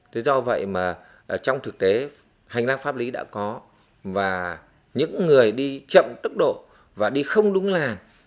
thế do vậy mà trong thực tế hành lang pháp lý đã có và những người đi chậm tốc độ và đi không đúng làn